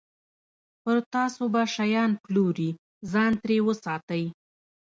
پر تاسو به شیان پلوري، ځان ترې وساتئ.